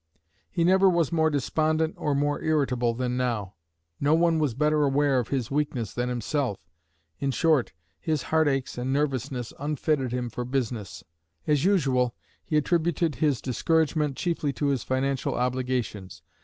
He never was more despondent or more irritable than now. No one was better aware of his weakness than himself. In short, his heartaches and nervousness unfitted him for business. As usual, he attributed his discouragement chiefly to his financial obligations.